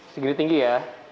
segini tinggi ya